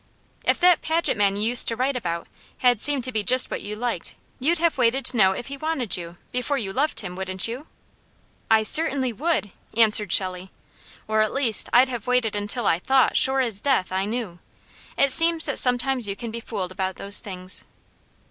"If that Paget man you used to write about had seemed to be just what you liked, you'd have waited to know if he wanted you, before you loved him, wouldn't you?" "I certainly would!" answered Shelley. "Or at least, I'd have waited until I THOUGHT sure as death, I knew. It seems that sometimes you can be fooled about those things."